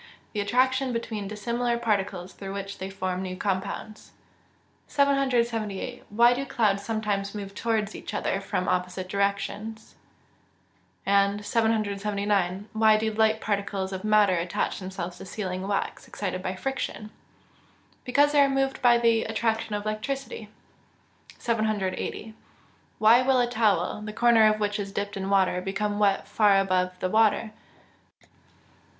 _ Attraction between dissimilar particles through which they form new compounds. 778. Why do clouds sometimes move towards each other from opposite directions? and 779. Why do light particles of matter attach themselves to sealing wax, excited by friction? Because they are moved by the attraction of electricity. 780. _Why will a towel, the corner of which is dipped in water, become wet far above the water?